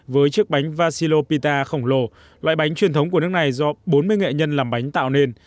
với chiếc bánh vasilo pita khổng lồ loại bánh truyền thống của nước này do bốn mươi nghệ nhân làm bánh tạo nên